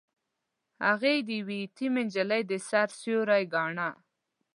هغه يې د يوې يتيمې نجلۍ د سر سيوری ګاڼه.